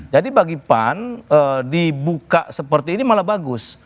jadi bagaimana dibuka seperti ini malah bagus